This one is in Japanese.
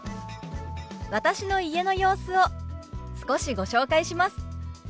私の家の様子を少しご紹介します。